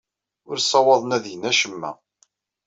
Ur ssawaḍen ad gen acemma.